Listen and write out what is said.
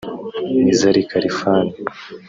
Nizar Khalfan